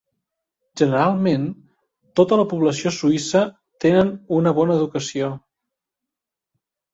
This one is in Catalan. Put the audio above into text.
Generalment, tota la població suïssa tenen una bona educació.